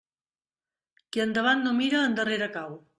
Qui endavant no mira, endarrere cau.